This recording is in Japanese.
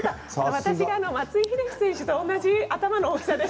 私が松井秀喜選手と同じ頭の大きさで。